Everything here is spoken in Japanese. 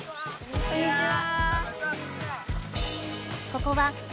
こんにちは！